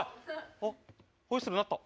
あっ、ホイッスル鳴った。